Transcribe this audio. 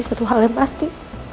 satu hal yang pasti